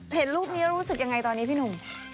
เห็นรูปนี้รู้สึกอย่างไรตอนนี้พี้หนุ่ม